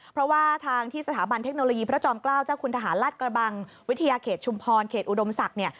เพราะว่าทางที่สถาบันเทคโนโลยีพระจอมเกล้าเจ้าคุณทหารราชกระบังวิทยาเขตชุมพรเขตอุดมศักดิ์เนี่ย